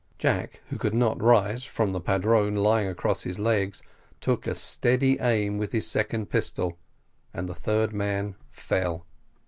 Jack, who could not rise, from the padrone lying across his legs, took a steady aim with his second pistol, and the third man fell.